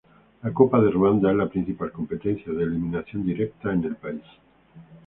La Copa de Ruanda es la principal competencia de eliminación directa en el país.